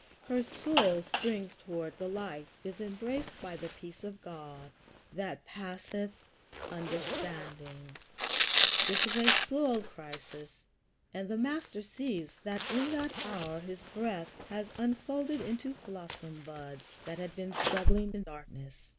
Her soul springs toward the light; is embraced by the peace of God that passeth understanding. It is a soul crisis, and the Master sees that in that hour his breath has unfolded into blossom buds that had been struggling in darkness.